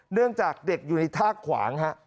เนื่องจากเด็กอยู่ในท่าขวางฮะ